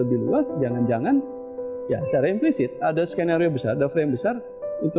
seolah olah kecandangan unobsiasi perintah yang akan berlangsung di shadows